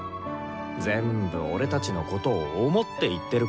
全部俺たちのことを想って言ってることだからさ。